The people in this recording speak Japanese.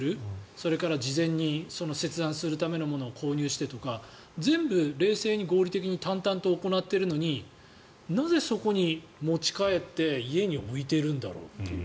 それから事前に切断するためのものを購入してとか全部冷静に合理的に淡々と行ってるのになぜそこに、持ち帰って家に置いてるんだろうという。